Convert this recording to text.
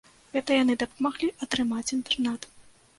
Гэта яны дапамаглі атрымаць інтэрнат.